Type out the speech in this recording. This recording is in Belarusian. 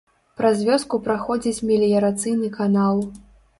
Праз вёску праходзіць меліярацыйны канал.